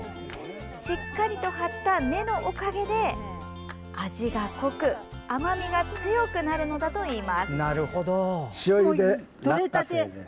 しっかりと張った根のおかげで味が濃く甘みが強くなるのだといいます。